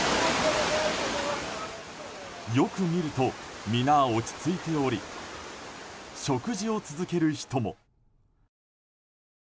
よく見ると皆、落ち着いており食事を続ける人も。